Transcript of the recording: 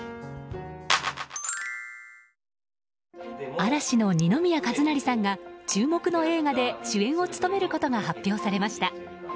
嵐の二宮和也さんが注目の映画で主演を務めることが発表されました。